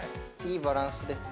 いいバランスで。